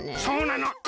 そうなの！